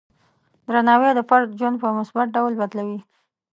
درناوی د فرد ژوند په مثبت ډول بدلوي.